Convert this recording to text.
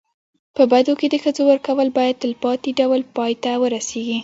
په بدو کي د ښځو ورکول باید تلپاتي ډول پای ته ورسېږي.